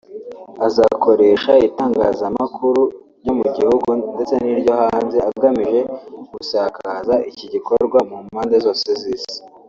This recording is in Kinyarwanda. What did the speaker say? Azakoresha itangazamakuru ryo mu gihugu ndetse n’iryo hanze agamije gusakaza iki gikorwa mu mpande zose z’isi